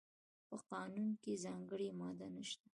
په قانون کې ځانګړې ماده نشته.